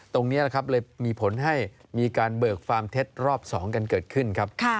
ตรงนี้นะครับเลยมีผลให้มีการเบิกฟาร์มเท็จรอบ๒กันเกิดขึ้นครับ